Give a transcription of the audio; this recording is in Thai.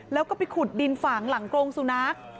แล้วก็ไปขุดดินฝังหลังกรงสุนัข